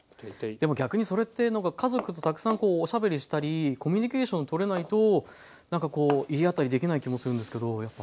でも逆にそれって家族とたくさんおしゃべりしたりコミュニケーションとれないとなんかこう言い合ったりできない気もするんですけどやっぱ。